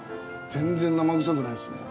全然生臭くないですね。